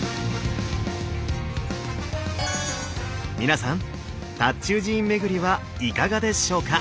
皆さん塔頭寺院巡りはいかがでしょうか。